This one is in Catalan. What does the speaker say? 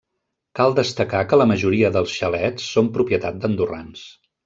Cal destacar que la majoria dels xalets són propietat d'andorrans.